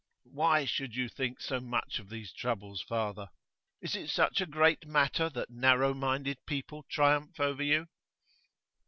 'Why should you think so much of these troubles, father? Is it such a great matter that narrow minded people triumph over you?